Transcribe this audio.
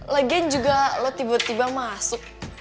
legeng juga lo tiba tiba masuk